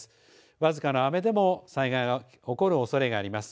わずかな雨でも災害が起こるおそれがあります。